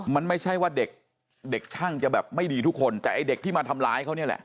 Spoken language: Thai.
มันไม่ใช่ว่าเด็กเด็กช่างจะแบบไม่ดีทุกคนแต่ไอ้เด็กที่มาทำร้ายเขาเนี่ยแหละ